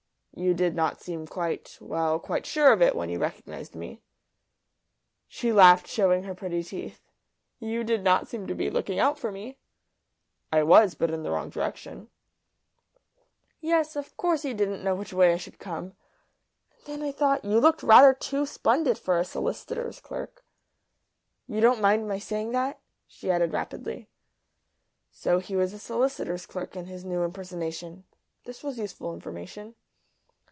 "You did not seem quite well, quite sure of it when you recognised me." She laughed, showing her pretty teeth. "You did not seem to be looking out for me." "I was but in the wrong direction." "Yes, of course you didn't know which way I should come. And then I thought you looked rather too splendid for a solicitor's clerk. You don't mind my saying that?" she added rapidly. (So he was a solicitor's clerk in his new impersonation; this was useful information.)